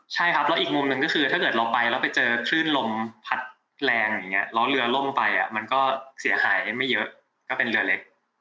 ใช่ครับแล้วอีกมุมหนึ่งก็คือถ้าเกิดเราไปแล้วไปเจอคลื่นลมพัดแรงอย่างนี้แล้วเรือล่มไปมันก็เสียหายไม่เยอะก็เป็นเรือเล็ก